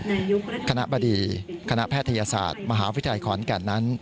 จากนั้นนะครับทางด้านของคณะแพทยศาสตร์มหาวิทยาลัยขวัญการณ์นั้น